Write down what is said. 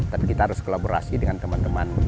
tapi kita harus kolaborasi dengan teman teman dinas yang lain